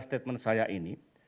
statement saya ini